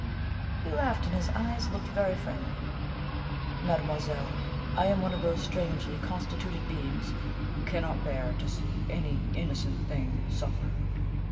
He laughed, and his eyes looked very friendly. "Mademoiselle, I am one of those strangely constituted beings who cannot bear to see any innocent thing suffer.